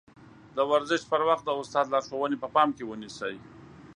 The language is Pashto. د ورزش پر وخت د استاد لارښوونې په پام کې ونيسئ.